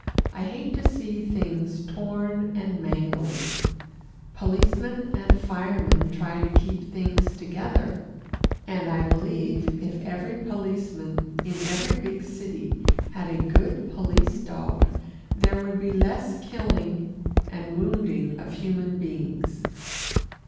I hate to see things torn and mangled. Policemen and firemen try to keep things together, and I believe if every policeman in every big city had a good police dog, there would be less killing and wounding of human beings.